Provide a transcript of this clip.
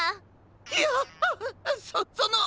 いやあっそその。